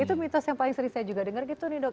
itu mitos yang paling sering saya juga dengar gitu nih dok